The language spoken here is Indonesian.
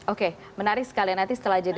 oke menarik sekali nanti setelah jeda